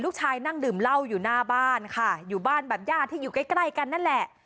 นั่งดื่มเหล้าอยู่หน้าบ้านค่ะอยู่บ้านแบบญาติที่อยู่ใกล้ใกล้กันนั่นแหละ